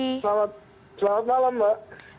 selamat malam mbak